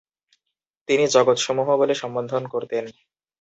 তিনি "জগতসমূহ" বলে সম্বোধন করতেন।